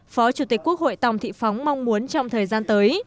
phó chủ tịch quốc hội tòng thị phóng mong muốn trong thời gian tới